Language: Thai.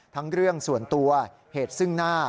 เรื่องส่วนตัวเหตุซึ่งหน้า